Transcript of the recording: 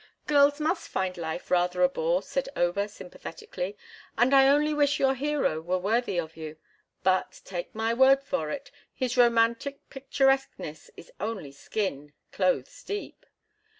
"Girls must find life rather a bore," said Over, sympathetically. "And I only wish your hero were worthy of you, but, take my word for it, his romantic picturesqueness is only skin—clothes deep.